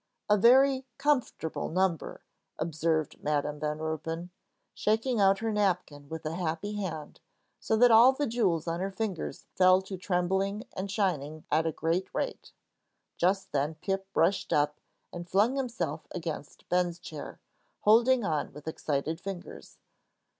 "A very comfortable number," observed Madam Van Ruypen, shaking out her napkin with a happy hand, so that all the jewels on her fingers fell to trembling and shining at a great rate. Just then Pip rushed up and flung himself against Ben's chair, holding on with excited fingers.